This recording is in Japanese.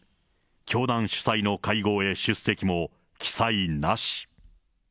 教団主催の会合へ出席も記載なし。